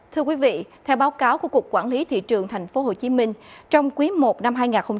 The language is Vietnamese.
thưa quý vị theo báo cáo của cục quản lý thị trường tp hcm trong quý i năm hai nghìn hai mươi bốn